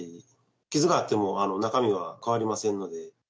傷があっても中身は変わりませんので。